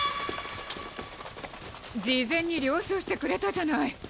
事前に了承してくれたじゃない。